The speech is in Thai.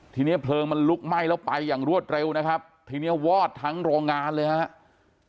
ทีนี้เพลิงมันลุกไหม้แล้วไปอย่างรวดเร็วนะครับทีนี้วอดทั้งโรงงานเลยครับ